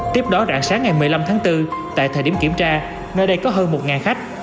tiếp đó rạng sáng ngày một mươi năm tháng bốn tại thời điểm kiểm tra nơi đây có hơn một khách